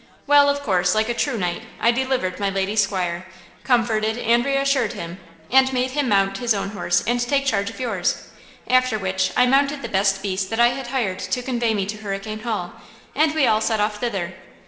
Well, of course, like a true knight, I delivered my lady's squire, comforted and reassured him and made him mount his own horse and take charge of yours. After which I mounted the best beast that I had hired to convey me to Hurricane Hall, and we all set off thither.